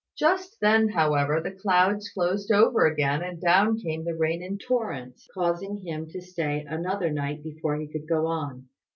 Just then, however, the clouds closed over again, and down came the rain in torrents, causing him to stay another night before he could go on.